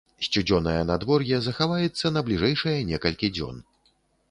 Сцюдзёнае надвор'е захаваецца на бліжэйшыя некалькі дзён.